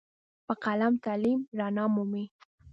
په قلم تعلیم رڼا مومي.